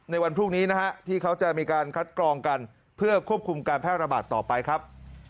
ในวันพรุ่งนี้นะฮะที่เขาจะมีการคัดกรองกันเพื่อควบคุมการแพร่ระบาดต่อไปครับ